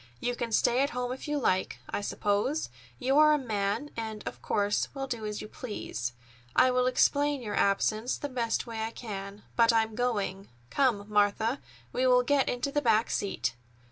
You can stay at home if you like, I suppose. You are a man, and, of course, will do as you please. I will explain your absence the best way I can. But I'm going! Come, Martha; we will get into the back seat!"